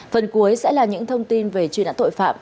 phần cuối sẽ là những thông tin về truy nã tội phạm